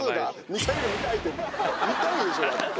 見たいでしょだって。